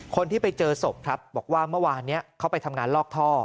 คนที่ไปเจอศพครับบอกว่าเมื่อวานนี้เขาไปทำงานลอกท่อ